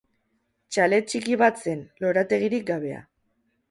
Txalet txiki bat zen, lorategirik gabea.